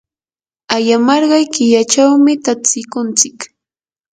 ayamarqay killachawmi tatsikuntsik.